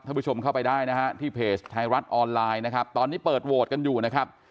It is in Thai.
ผู้ชมเข้าไปได้นะฮะที่เพจไทยรัฐออนไลน์นะครับตอนนี้เปิดโหวตกันอยู่นะครับ